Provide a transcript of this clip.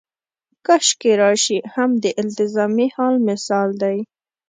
کاشکې راشي هم د التزامي حال مثال دی.